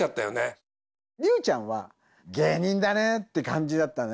竜ちゃんは、芸人だねって感じだったね。